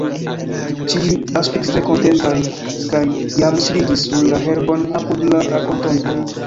Ĉiuj aspektis tre kontentaj kaj jam sidiĝis sur la herbon apud la rakontonto.